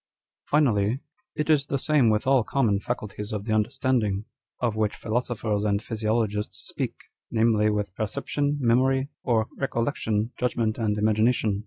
" Finally, it is the same with all common faculties of the understanding â€" of which philosophers and physio logists speak â€" namely, with perception, memory., or recol lection, judgment, and imagination.